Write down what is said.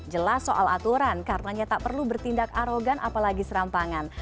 jelas soal aturan karenanya tak perlu bertindak arogan apalagi serampangan